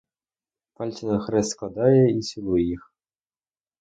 Пальці на хрест складає і цілує їх.